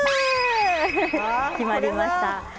決まりました。